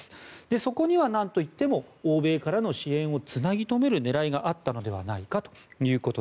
そこにはなんといっても欧米からの支援をつなぎ留める狙いがあったのではないかと。